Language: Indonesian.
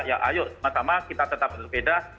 ya ayo sama sama kita tetap bersepeda